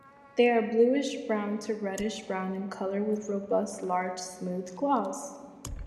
They are bluish-brown to reddish-brown in colour with robust, large, smooth claws.